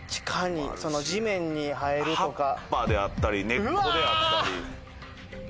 葉っぱであったり根っこであったり。